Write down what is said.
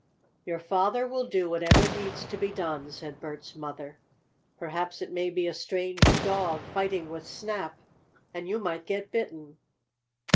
"Your father will do whatever needs to be done," said Bert's mother. "Perhaps it may be a strange dog, fighting with Snap, and you might get bitten."